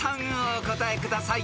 お答えください］